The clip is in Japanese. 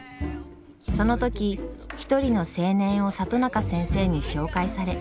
その時一人の青年を里中先生に紹介され。